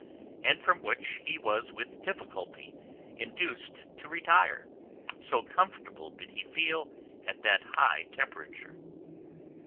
and from which he was with difficulty induced to retire, so comfortable did he feel at that high temperature.